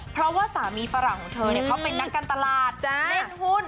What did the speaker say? เพราะว่าสามีฝรั่งของเธอเขาเป็นนักการตลาดเล่นหุ้น